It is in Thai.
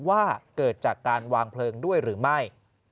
ว่าเกิดจากการวางเพลิงด้วยหรือไม่